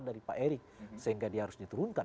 dari pak erick sehingga dia harus diturunkan